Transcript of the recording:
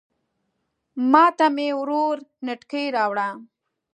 ماته مې ورور نتکۍ راوړه